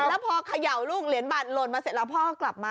แล้วพอเขย่าลูกเหรียญบัตรหล่นมาเสร็จแล้วพ่อกลับมา